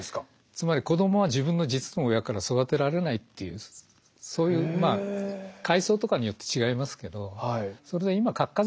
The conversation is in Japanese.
つまり子どもは自分の実の親から育てられないっていうそういうまあ階層とかによって違いますけど。